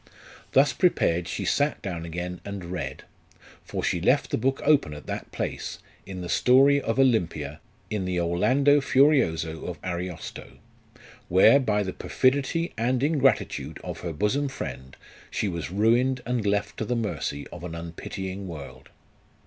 Thus prepared, she sat down again and read ; for she left the book open at that place, in the story of Olympia, in the Orlando Furioso of Ariosto, where, by the perfidy and ingratitude of her bosom friend, she was ruined and left to the mercy of an unpitying world.